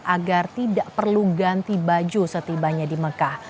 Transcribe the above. agar tidak perlu ganti baju setibanya di mekah